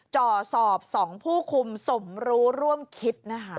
จ่อสอบ๒ผู้คุมสมรู้ร่วมคิดนะคะ